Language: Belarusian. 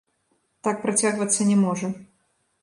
Так працягвацца не можа.